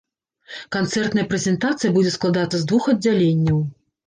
Канцэртная прэзентацыя будзе складацца з двух аддзяленняў.